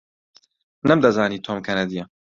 نەمدەزانی تۆم کەنەدییە.